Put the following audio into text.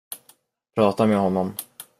Prata med honom.